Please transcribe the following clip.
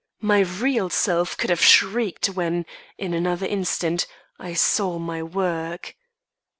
My real self could have shrieked when, in another instant, I saw my work.